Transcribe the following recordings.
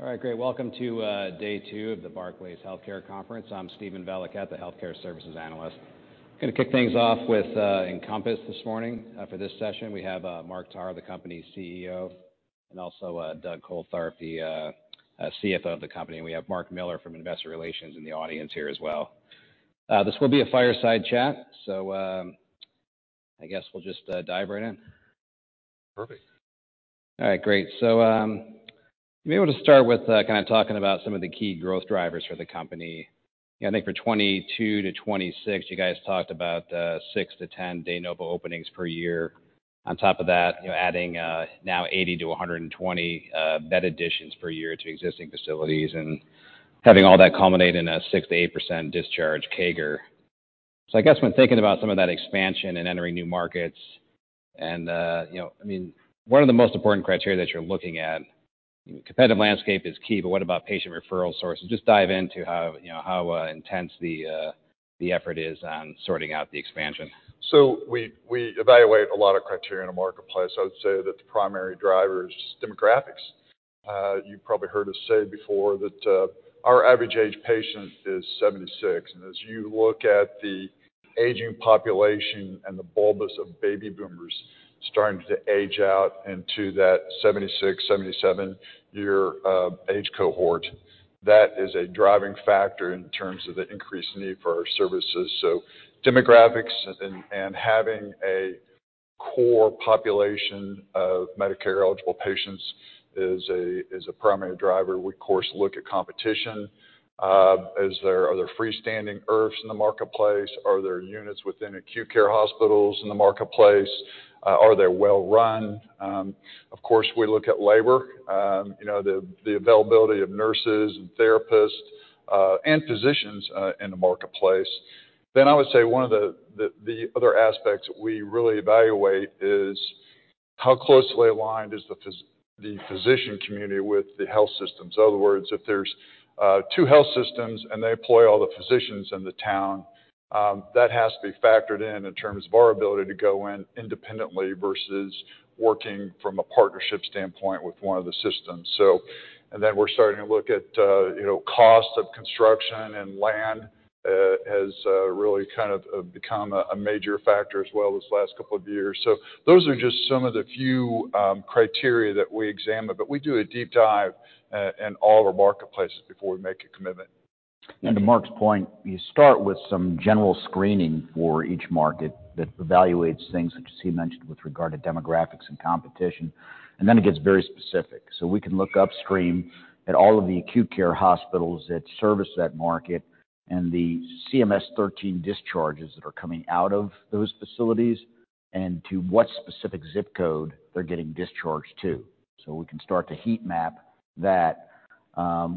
All right, great. Welcome to day two of the Barclays Healthcare Conference. I'm Steven Valiquette, the Healthcare Services Analyst. Gonna kick things off with Encompass this morning. For this session, we have Mark Tarr, the company's CEO, and also Doug Coltharp, the CFO of the company. We have Mark Miller from Investor Relations in the audience here as well. This will be a fireside chat. I guess we'll just dive right in. Perfect. All right, great. Maybe we'll just start with kind of talking about some of the key growth drivers for the company. I think for 2022-2026, you guys talked about six to 10 de novo openings per year. On top of that, you know, adding now 80-120 bed additions per year to existing facilities and having all that culminate in a 6%-8% discharge CAGR. I guess when thinking about some of that expansion and entering new markets and, you know, I mean, what are the most important criteria that you're looking at? Competitive landscape is key, but what about patient referral sources? Just dive into how, you know, how intense the effort is on sorting out the expansion. We evaluate a lot of criteria in the marketplace. I would say that the primary driver is demographics. You probably heard us say before that our average age patient is 76. As you look at the aging population and the bulge of baby boomers starting to age out into that 76, 77 year age cohort, that is a driving factor in terms of the increased need for our services. Demographics and having a core population of Medicare-eligible patients is a primary driver. We, of course, look at competition. Are there freestanding IRFs in the marketplace? Are there units within acute care hospitals in the marketplace? Are they well-run? Of course, we look at labor. You know, the availability of nurses and therapists and physicians in the marketplace. I would say one of the other aspects we really evaluate is how closely aligned is the physician community with the health systems. In other words, if there's two health systems and they employ all the physicians in the town, that has to be factored in in terms of our ability to go in independently versus working from a partnership standpoint with one of the systems. We're starting to look at, you know, cost of construction and land has really kind of become a major factor as well this last couple of years. Those are just some of the few criteria that we examine. But we do a deep dive in all our marketplaces before we make a commitment. To Mark's point, you start with some general screening for each market that evaluates things, which he mentioned with regard to demographics and competition, and then it gets very specific. We can look upstream at all of the acute care hospitals that service that market and the CMS 13 discharges that are coming out of those facilities and to what specific zip code they're getting discharged to. We can start to heat map that.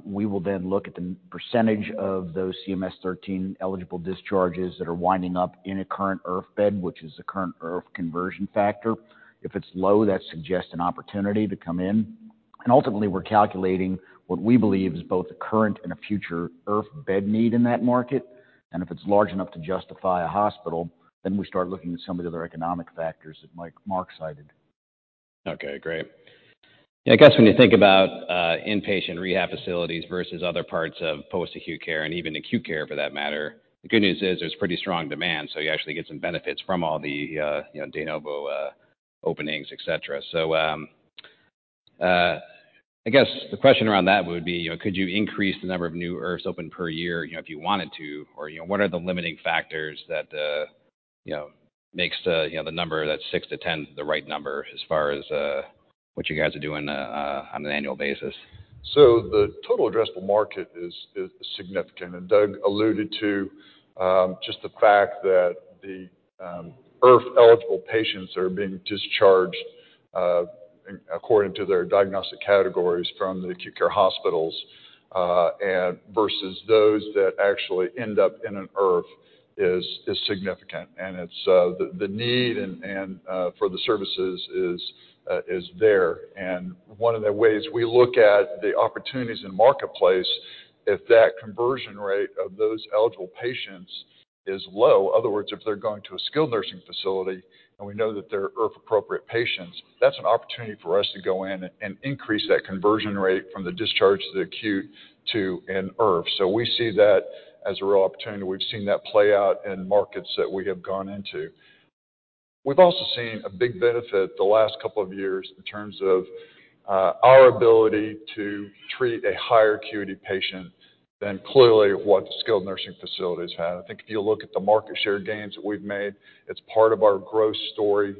We will then look at the percentage of those CMS 13 eligible discharges that are winding up in a current IRF bed, which is the current IRF conversion factor. If it's low, that suggests an opportunity to come in. Ultimately, we're calculating what we believe is both the current and a future IRF bed need in that market. If it's large enough to justify a hospital, then we start looking at some of the other economic factors that Mark, Mark cited. Okay, great. Yeah, I guess when you think about inpatient rehab facilities versus other parts of post-acute care and even acute care for that matter, the good news is there's pretty strong demand, so you actually get some benefits from all the, you know, de novo openings, et cetera. I guess the question around that would be, you know, could you increase the number of new IRFs open per year, you know, if you wanted to? Or, you know, what are the limiting factors that, you know, makes the, you know, the number that's six to ten the right number as far as, what you guys are doing, on an annual basis? The total addressable market is significant. Doug alluded to just the fact that the IRF-eligible patients are being discharged according to their diagnostic categories from the acute care hospitals and versus those that actually end up in an IRF is significant. It's the need and for the services is there. One of the ways we look at the opportunities in the marketplace, if that conversion rate of those eligible patients is low, other words, if they're going to a skilled nursing facility and we know that they're IRF-appropriate patients, that's an opportunity for us to go in and increase that conversion rate from the discharge to the acute to an IRF. We see that as a real opportunity. We've seen that play out in markets that we have gone into. We've also seen a big benefit the last couple of years in terms of our ability to treat a higher acuity patient than clearly what skilled nursing facilities have. I think if you look at the market share gains that we've made, it's part of our growth story.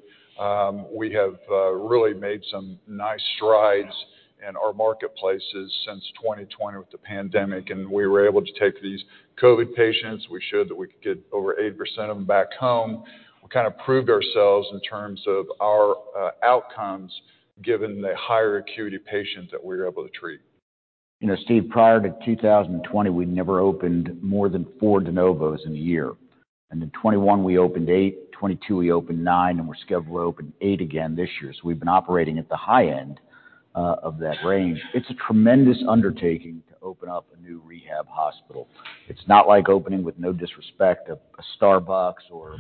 We have really made some nice strides in our marketplaces since 2020 with the pandemic. We were able to take these COVID patients. We showed that we could get over 80% of them back home. We kinda proved ourselves in terms of our outcomes, given the higher acuity patients that we were able to treat. You know, Steve, prior to 2020, we never opened more than four de novos in a year. In 2021, we opened eight. In 2022, we opened nine, and we're scheduled to open eight again this year. We've been operating at the high end of that range. It's a tremendous undertaking to open up a new rehab hospital. It's not like opening, with no disrespect, a Starbucks or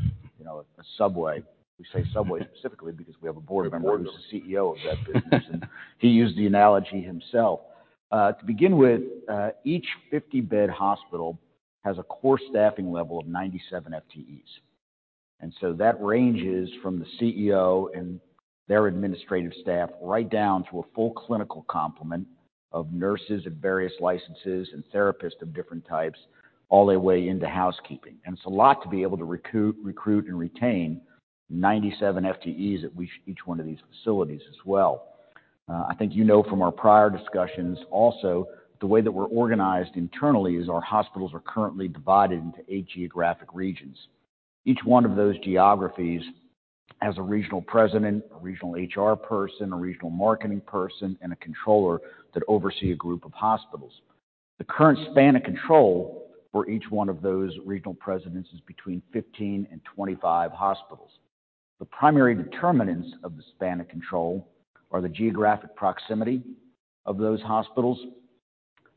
a Subway. We say Subway specifically because we have a board member who's the CEO of that business, and he used the analogy himself. To begin with, each 50-bed hospital has a core staffing level of 97 FTEs. That ranges from the CEO and their administrative staff right down to a full clinical complement of nurses of various licenses and therapists of different types, all the way into housekeeping. It's a lot to be able to recruit and retain 97 FTEs at each one of these facilities as well. I think you know from our prior discussions also, the way that we're organized internally is our hospitals are currently divided into eight geographic regions. Each one of those geographies has a regional president, a regional HR person, a regional marketing person, and a controller that oversee a group of hospitals. The current span of control for each one of those regional presidents is between 15 and 25 hospitals. The primary determinants of the span of control are the geographic proximity of those hospitals,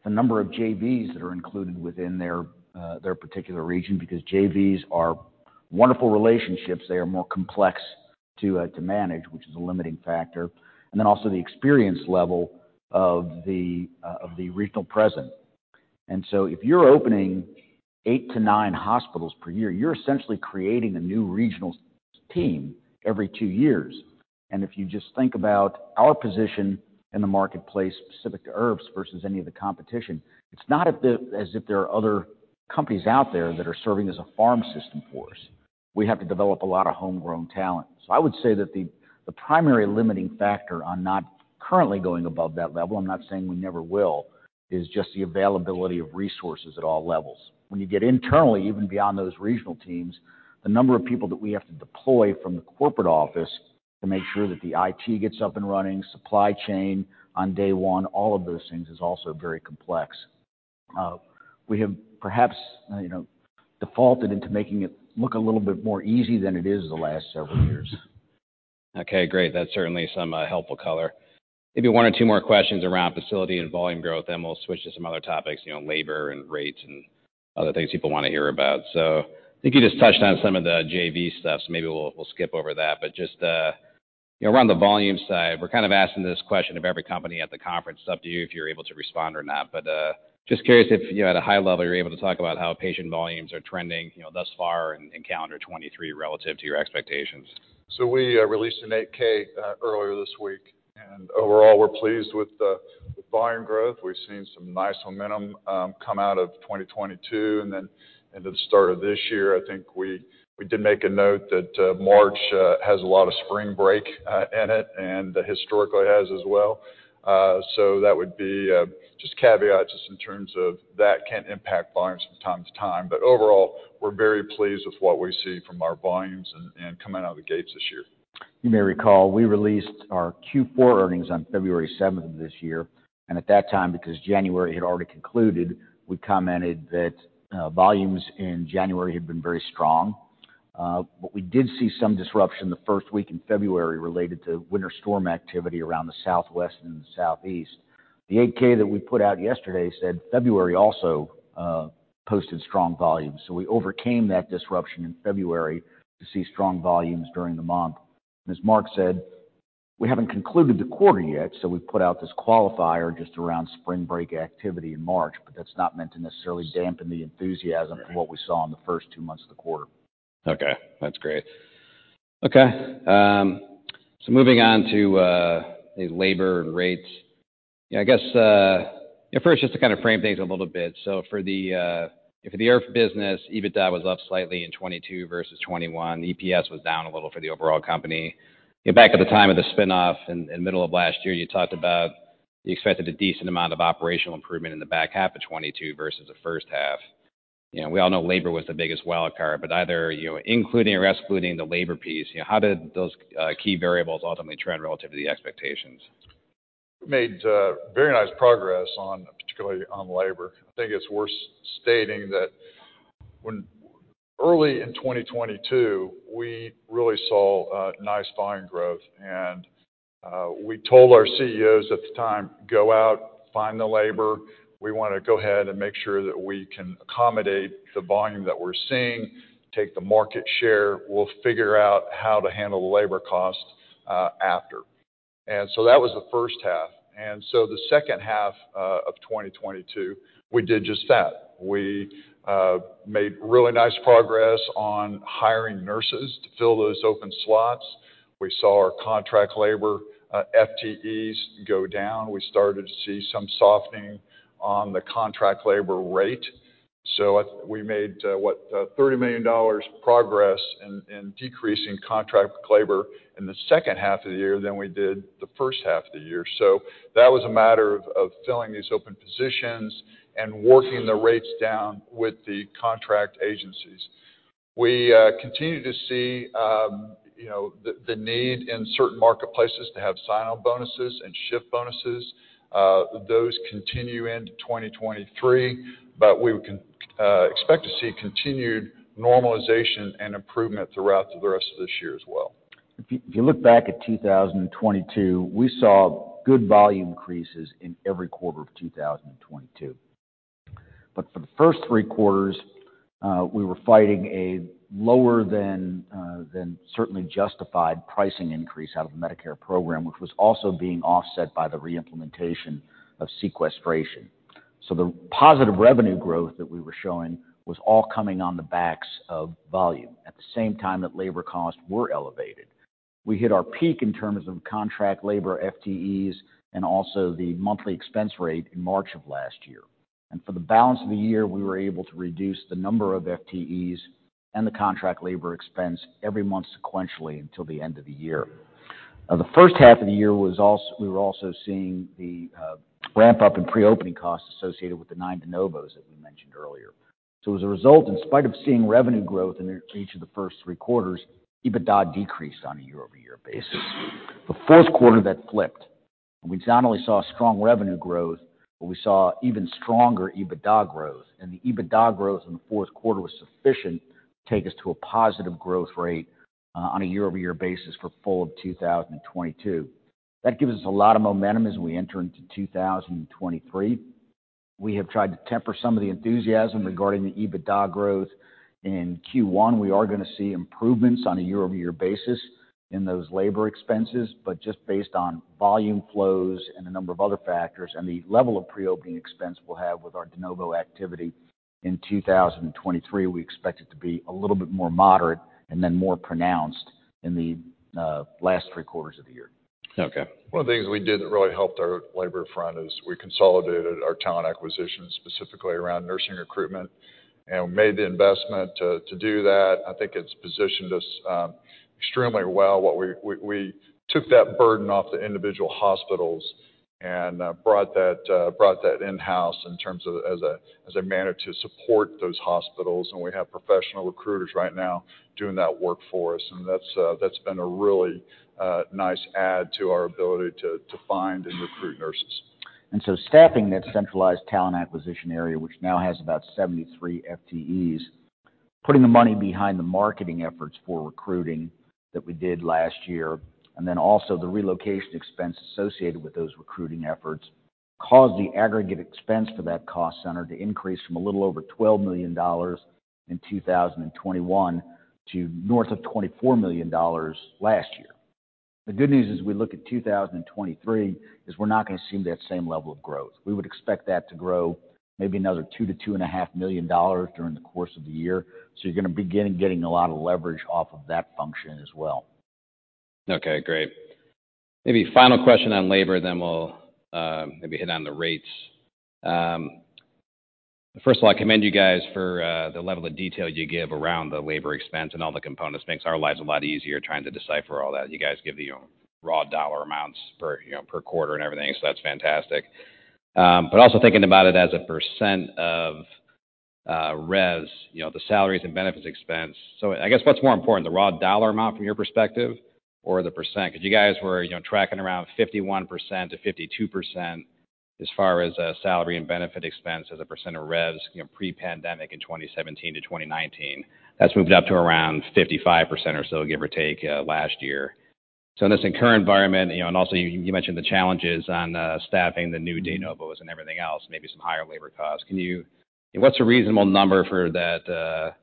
the number of JVs that are included within their particular region, because JVs are wonderful relationships, they are more complex to manage, which is a limiting factor. Then also the experience level of the regional president. If you're opening eight to nine hospitals per year, you're essentially creating a new regional team every two years. If you just think about our position in the marketplace specific to IRF versus any of the competition, it's not as if there are other companies out there that are serving as a farm system for us. We have to develop a lot of homegrown talent. I would say that the primary limiting factor on not currently going above that level, I'm not saying we never will, is just the availability of resources at all levels. You get internally, even beyond those regional teams, the number of people that we have to deploy from the corporate office to make sure that the IT gets up and running, supply chain on day one, all of those things is also very complex. We have perhaps, you know, defaulted into making it look a little bit more easy than it is the last several years. Okay, great. That's certainly some helpful color. Maybe one or two more questions around facility and volume growth, then we'll switch to some other topics, you know, labor and rates and other things people wanna hear about. I think you just touched on some of the JV stuff, so maybe we'll skip over that. Just, you know, around the volume side, we're kind of asking this question of every company at the conference, it's up to you if you're able to respond or not. Just curious if, you know, at a high level, you're able to talk about how patient volumes are trending, you know, thus far in calendar 2023 relative to your expectations. We released an Form 8-K earlier this week, and overall, we're pleased with the volume growth. We've seen some nice momentum come out of 2022. Into the start of this year, I think we did make a note that March has a lot of spring break in it, and historically has as well. That would be just caveat in terms of that can impact volumes from time to time. Overall, we're very pleased with what we see from our volumes and coming out of the gates this year. You may recall, we released our Q4 earnings on February 7 of this year. At that time, because January had already concluded, we commented that volumes in January had been very strong. We did see some disruption the first week in February related to winter storm activity around the southwest and the southeast. The Form 8-K that we put out yesterday said February also posted strong volumes. We overcame that disruption in February to see strong volumes during the month. As Mark said, we haven't concluded the quarter yet, we put out this qualifier just around spring break activity in March. That's not meant to necessarily dampen the enthusiasm for what we saw in the first two months of the quarter. Okay, that's great. Okay, moving on to labor and rates. I guess first just to kind of frame things a little bit. For the for the IRF business, EBITDA was up slightly in 2022 versus 2021. EPS was down a little for the overall company. Back at the time of the spin-off in middle of last year, you talked about you expected a decent amount of operational improvement in the back half of 2022 versus the first half. You know, we all know labor was the biggest wildcard, but either, you know, including or excluding the labor piece, how did those key variables ultimately trend relative to the expectations? Made very nice progress on, particularly on labor. I think it's worth stating that when early in 2022, we really saw nice volume growth. We told our CEOs at the time, "Go out, find the labor. We wanna go ahead and make sure that we can accommodate the volume that we're seeing, take the market share. We'll figure out how to handle the labor cost after." That was the first half. The second half of 2022, we did just that. We made really nice progress on hiring nurses to fill those open slots. We saw our contract labor FTEs go down. We started to see some softening on the contract labor rate. We made what? $30 million progress in decreasing contract labor in the second half of the year than we did the first half of the year. That was a matter of filling these open positions and working the rates down with the contract agencies. We continue to see, you know, the need in certain marketplaces to have sign-on bonuses and shift bonuses. Those continue into 2023, but we can expect to see continued normalization and improvement throughout the rest of this year as well. If you look back at 2022, we saw good volume increases in every quarter of 2022. For the first three quarters, we were fighting a lower than certainly justified pricing increase out of the Medicare program, which was also being offset by the re-implementation of sequestration. The positive revenue growth that we were showing was all coming on the backs of volume at the same time that labor costs were elevated. We hit our peak in terms of contract labor FTEs and also the monthly expense rate in March of last year. For the balance of the year, we were able to reduce the number of FTEs and the contract labor expense every month sequentially until the end of the year. The first half of the year we were also seeing the ramp up in pre-opening costs associated with the nine de novos that we mentioned earlier. As a result, in spite of seeing revenue growth in each of the first three quarters, EBITDA decreased on a year-over-year basis. The fourth quarter, that flipped, we not only saw strong revenue growth, but we saw even stronger EBITDA growth. The EBITDA growth in the fourth quarter was sufficient to take us to a positive growth rate on a year-over-year basis for full of 2022. That gives us a lot of momentum as we enter into 2023. We have tried to temper some of the enthusiasm regarding the EBITDA growth. In Q1, we are gonna see improvements on a year-over-year basis in those labor expenses, but just based on volume flows and a number of other factors and the level of pre-opening expense we'll have with our de novo activity in 2023, we expect it to be a little bit more moderate and then more pronounced in the last three quarters of the year. Okay. One of the things we did that really helped our labor front is we consolidated our talent acquisition, specifically around nursing recruitment, and we made the investment to do that. I think it's positioned us extremely well. What we took that burden off the individual hospitals and brought that in-house in terms of as a manner to support those hospitals, and we have professional recruiters right now doing that work for us. That's been a really nice add to our ability to find and recruit nurses. Staffing that centralized talent acquisition area, which now has about 73 FTEs, putting the money behind the marketing efforts for recruiting that we did last year, and also the relocation expense associated with those recruiting efforts, caused the aggregate expense for that cost center to increase from a little over $12 million in 2021 to north of $24 million last year. The good news as we look at 2023 is we're not gonna see that same level of growth. We would expect that to grow maybe another $2 million-$2.5 million during the course of the year. You're gonna begin getting a lot of leverage off of that function as well. Okay, great. Maybe final question on labor, then we'll maybe hit on the rates. First of all, I commend you guys for the level of detail you give around the labor expense and all the components. Makes our lives a lot easier trying to decipher all that. You guys give the, you know, raw dollar amounts per, you know, per quarter and everything, so that's fantastic. Also thinking about it as a percent of res, you know, the salaries and benefits expense. I guess what's more important, the raw dollar amount from your perspective or the %? 'Cause you guys were, you know, tracking around 51%-52% as far as salary and benefit expense as a % of res, you know, pre-pandemic in 2017-2019. That's moved up to around 55% or so, give or take, last year. In this current environment, you know, and also you mentioned the challenges on staffing the new de novos and everything else, maybe some higher labor costs. What's a reasonable number for that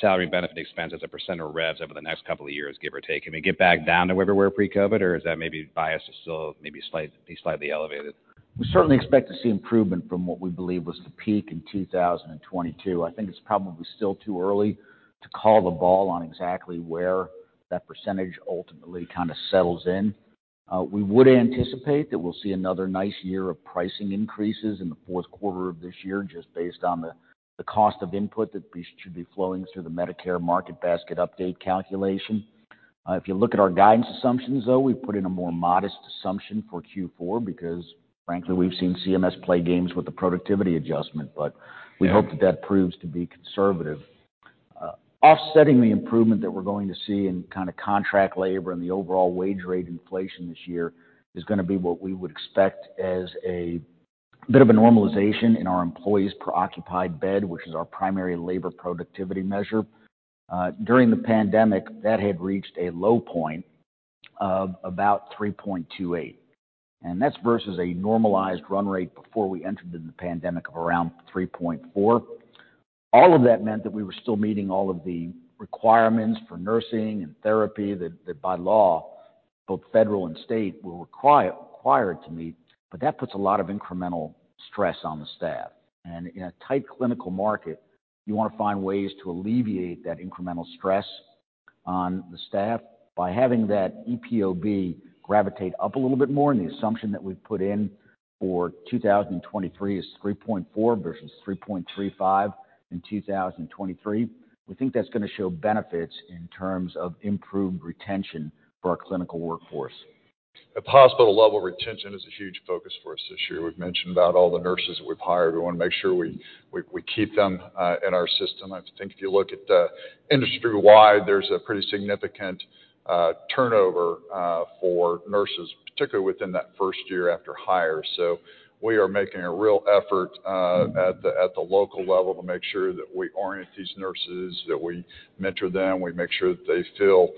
salary benefit expense as a % of res over the next couple of years, give or take? Can we get back down to where we were pre-COVID, or is that maybe biased to still be slightly elevated? We certainly expect to see improvement from what we believe was the peak in 2022. I think it's probably still too early to call the ball on exactly where that percentage ultimately kind of settles in. We would anticipate that we'll see another nice year of pricing increases in the fourth quarter of this year just based on the cost of input that should be flowing through the Medicare market basket update calculation. If you look at our guidance assumptions, though, we've put in a more modest assumption for Q4 because, frankly, we've seen CMS play games with the productivity adjustment. We hope that that proves to be conservative. Offsetting the improvement that we're going to see in kinda contract labor and the overall wage rate inflation this year is gonna be what we would expect as a bit of a normalization in our employees per occupied bed, which is our primary labor productivity measure. During the pandemic, that had reached a low point of about 3.28. That's versus a normalized run rate before we entered into the pandemic of around 3.4. All of that meant that we were still meeting all of the requirements for nursing and therapy that by law, both federal and state, we're required to meet, but that puts a lot of incremental stress on the staff. In a tight clinical market, you wanna find ways to alleviate that incremental stress on the staff by having that EPOB gravitate up a little bit more, and the assumption that we've put in for 2023 is 3.4 versus 3.35 in 2023. We think that's gonna show benefits in terms of improved retention for our clinical workforce. At the hospital level, retention is a huge focus for us this year. We've mentioned about all the nurses that we've hired. We wanna make sure we keep them in our system. I think if you look at the industry-wide, there's a pretty significant turnover for nurses, particularly within that first year after hire. We are making a real effort at the local level to make sure that we orient these nurses, that we mentor them, we make sure that they feel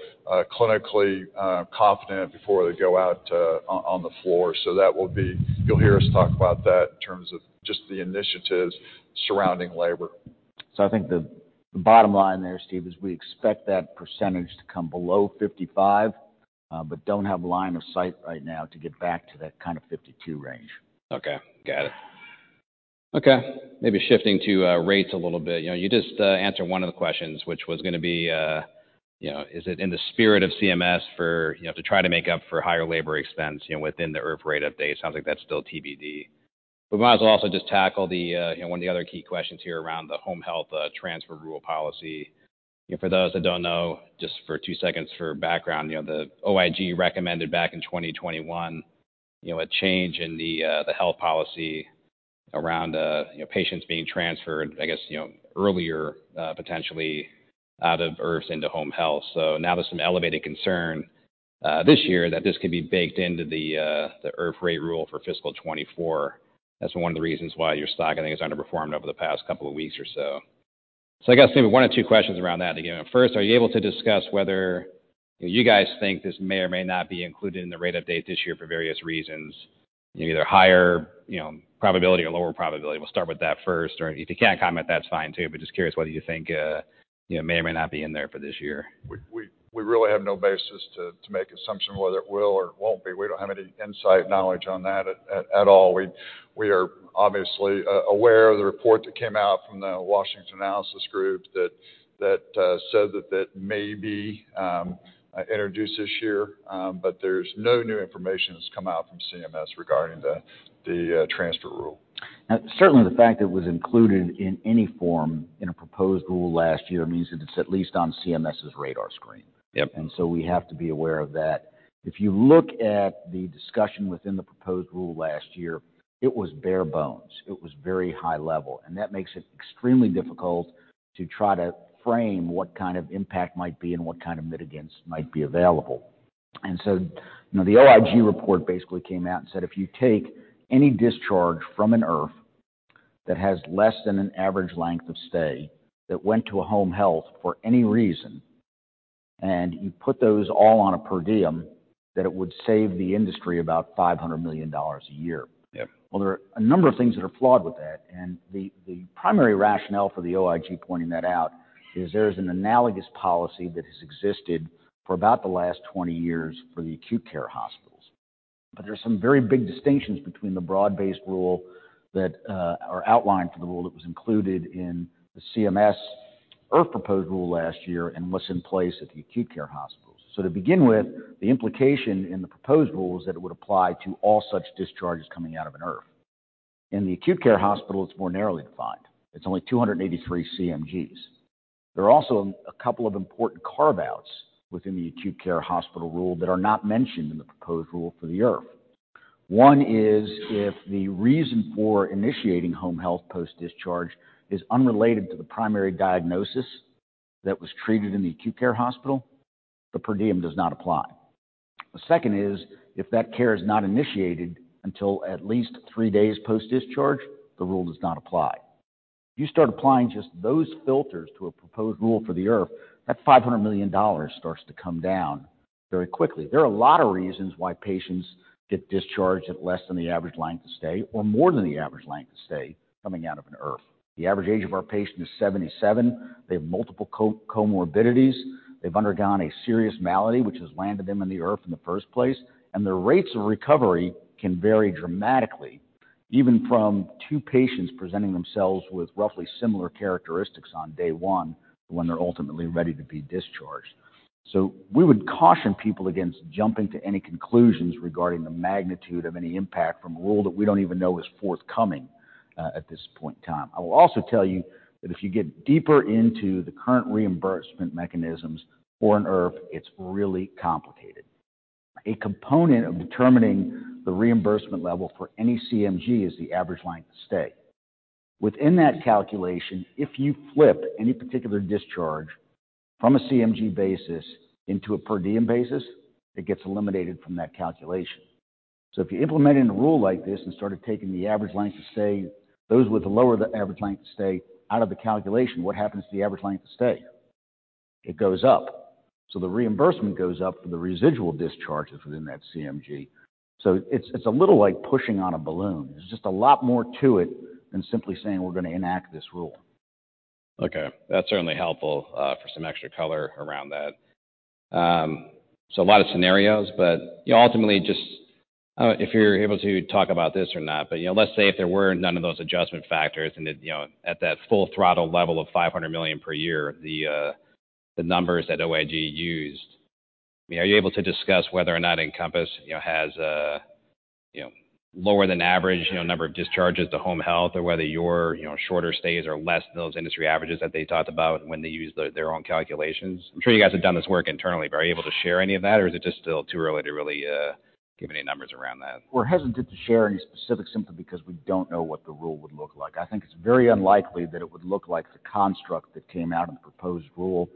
clinically confident before they go out on the floor. You'll hear us talk about that in terms of just the initiatives surrounding labor. I think the bottom line there, Steve, is we expect that percentage to come below 55, but don't have line of sight right now to get back to that kind of 52 range. Okay. Got it. Okay, maybe shifting to rates a little bit. You know, you just answered one of the questions, which was gonna be, you know, is it in the spirit of CMS for, you know, to try to make up for higher labor expense, you know, within the IRF rate update? Sounds like that's still TBD. We might as well also just tackle the, you know, one of the other key questions here around the home health transfer rule policy. You know, for those that don't know, just for two seconds for background, you know, the OIG recommended back in 2021, you know, a change in the health policy around, you know, patients being transferred, I guess, you know, earlier, potentially out of IRFs into home health. Now there's some elevated concern this year that this could be baked into the IRF rate rule for fiscal 2024. That's one of the reasons why your stock, I think, has underperformed over the past couple of weeks or so. I guess maybe one or two questions around that to give them. First, are you able to discuss whether you guys think this may or may not be included in the rate update this year for various reasons, either higher, you know, probability or lower probability? We'll start with that first. If you can't comment, that's fine too, but just curious whether you think, you know, it may or may not be in there for this year. We really have no basis to make assumption whether it will or it won't be. We don't have any insight knowledge on that at all. We are obviously aware of the report that came out from the Washington Analysis that said that that may be introduced this year. There's no new information that's come out from CMS regarding the transfer rule. Now, certainly the fact it was included in any form in a proposed rule last year means that it's at least on CMS's radar screen. Yep. We have to be aware of that. If you look at the discussion within the proposed rule last year, it was bare bones. It was very high level, and that makes it extremely difficult to try to frame what kind of impact might be and what kind of mitigants might be available. And so, you know, the OIG report basically came out and said, if you take any discharge from an IRF that has less than an average length of stay that went to a home health for any reason, and you put those all on a per diem, that it would save the industry about $500 million a year. Yeah. There are a number of things that are flawed with that. The, the primary rationale for the OIG pointing that out is there is an analogous policy that has existed for about the last 20 years for the acute care hospitals. There are some very big distinctions between the broad-based rule that are outlined for the rule that was included in the CMS IRF proposed rule last year and what's in place at the acute care hospitals. To begin with, the implication in the proposed rule is that it would apply to all such discharges coming out of an IRF. In the acute care hospital, it's more narrowly defined. It's only 283 CMGs. There are also a couple of important carve-outs within the acute care hospital rule that are not mentioned in the proposed rule for the IRF. One is if the reason for initiating home health post-discharge is unrelated to the primary diagnosis that was treated in the acute care hospital, the per diem does not apply. The second is if that care is not initiated until at least three days post-discharge, the rule does not apply. You start applying just those filters to a proposed rule for the IRF, that $500 million starts to come down very quickly. There are a lot of reasons why patients get discharged at less than the average length of stay or more than the average length of stay coming out of an IRF. The average age of our patient is 77. They have multiple co-comorbidities. They've undergone a serious malady which has landed them in the IRF in the first place. Their rates of recovery can vary dramatically, even from two patients presenting themselves with roughly similar characteristics on day one to when they're ultimately ready to be discharged. We would caution people against jumping to any conclusions regarding the magnitude of any impact from a rule that we don't even know is forthcoming at this point in time. I will also tell you that if you get deeper into the current reimbursement mechanisms for an IRF, it's really complicated. A component of determining the reimbursement level for any CMG is the average length of stay. Within that calculation, if you flip any particular discharge from a CMG basis into a per diem basis, it gets eliminated from that calculation. If you implemented a rule like this and started taking the average length of stay, those with the lower the average length of stay out of the calculation, what happens to the average length of stay? It goes up. The reimbursement goes up for the residual discharges within that CMG. It's a little like pushing on a balloon. There's just a lot more to it than simply saying, "We're gonna enact this rule. Okay. That's certainly helpful for some extra color around that. A lot of scenarios, but ultimately just. I don't know if you're able to talk about this or not, but, you know, let's say if there were none of those adjustment factors and it, you know, at that full throttle level of $500 million per year, the numbers that OIG used. I mean, are you able to discuss whether or not Encompass, you know, has a, you know, lower than average, you know, number of discharges to home health or whether your, you know, shorter stays are less than those industry averages that they talked about when they use their own calculations? I'm sure you guys have done this work internally, but are you able to share any of that, or is it just still too early to really give any numbers around that? We're hesitant to share any specifics simply because we don't know what the rule would look like. I think it's very unlikely that it would look like the construct that came out in the proposed rule,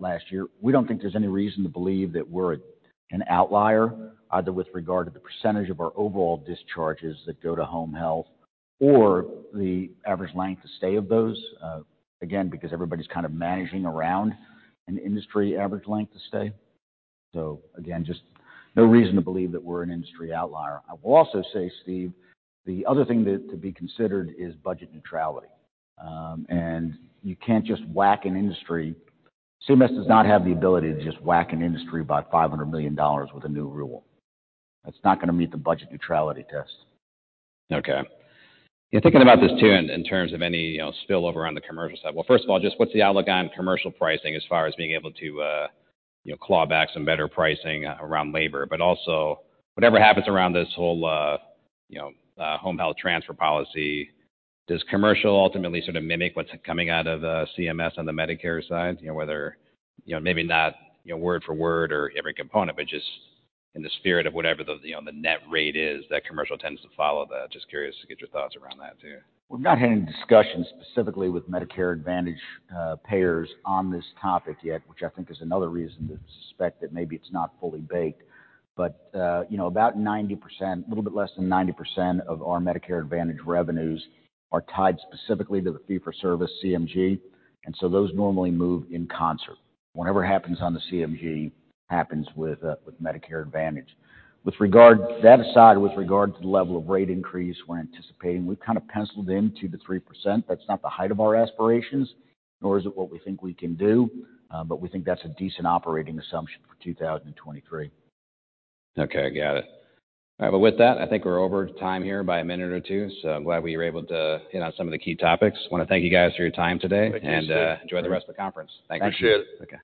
last year. We don't think there's any reason to believe that we're an outlier, either with regard to the percentage of our overall discharges that go to home health or the average length of stay of those, again, because everybody's kind of managing around an industry average length of stay. Again, just no reason to believe that we're an industry outlier. I will also say, Steve, the other thing that to be considered is budget neutrality. You can't just whack an industry. CMS does not have the ability to just whack an industry by $500 million with a new rule. That's not gonna meet the budget neutrality test. Okay. Thinking about this too in terms of any, you know, spillover on the commercial side. Well, first of all, just what's the outlook on commercial pricing as far as being able to, you know, claw back some better pricing around labor? Also, whatever happens around this whole, you know, home health transfer policy, does commercial ultimately sort of mimic what's coming out of CMS on the Medicare side? You know, whether, you know, maybe not, you know, word for word or every component, but just in the spirit of whatever the, you know, the net rate is that commercial tends to follow that. Just curious to get your thoughts around that too. We've not had any discussions specifically with Medicare Advantage payers on this topic yet, which I think is another reason to suspect that maybe it's not fully baked. You know, about 90%, a little bit less than 90% of our Medicare Advantage revenues are tied specifically to the fee-for-service CMG, those normally move in concert. Whatever happens on the CMG happens with Medicare Advantage. That aside, with regard to the level of rate increase we're anticipating, we've kind of penciled in 2%-3%. That's not the height of our aspirations, nor is it what we think we can do, we think that's a decent operating assumption for 2023. Okay. Got it. All right. With that, I think we're over time here by a minute or two, so I'm glad we were able to hit on some of the key topics. Wanna thank you guys for your time today- Thank you, Steve. ...and enjoy the rest of the conference. Thank you. Appreciate it. Okay.